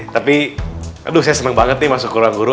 tapi aduh saya senang banget nih masuk ke ruang guru